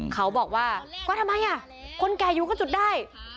เขาบอกว่าก็ทำไมอ่ะคนแก่อยู่ก็จุดได้